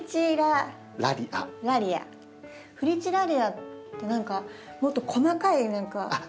フリチラリアって何かもっと細かい柄のやつ。